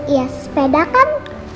iya sepeda kan